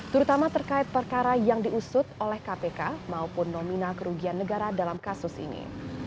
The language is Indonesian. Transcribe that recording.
terutama terkait perkara yang diusut oleh kpk maupun nomina kerugian negara dalam kasus ini